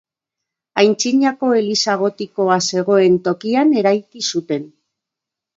Antzinako eliza gotikoa zegoen tokian eraiki zuten.